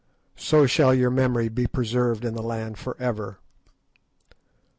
So shall your memory be preserved in the land for ever.